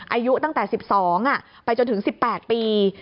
อายุตั้งแต่๑๒ไปจนถึง๑๘ปี